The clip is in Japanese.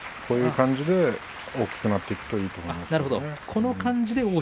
こういう感じで大きくなっていくといいと思います。